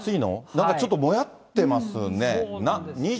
なんかちょっともやってますね。